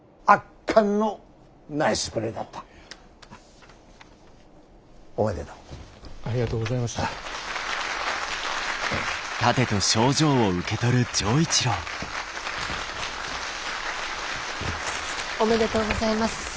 ありがとうございます。